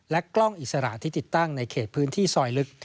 กล้องอิสระที่ติดตั้งในเขตพื้นที่ซอยลึก